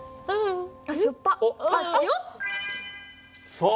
そう。